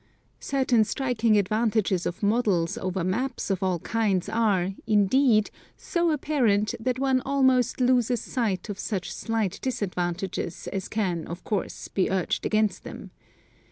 Certain striking advantages of models over maps of all kinds are, indeed, so apparent that one almost loses sight of such slight disadvantages as can, of course, be urged against them.